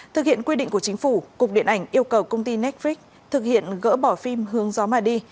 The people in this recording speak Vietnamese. thực hiện quy định của chính phủ cục điện ảnh yêu cầu công ty netflix thực hiện gỡ bỏ phim hướng gió mà đi